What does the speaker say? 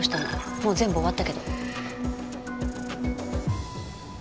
もう全部終わったけど。